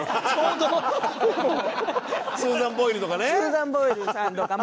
スーザン・ボイルとかね。